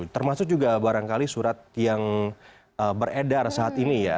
termasuk juga barangkali surat yang beredar saat ini ya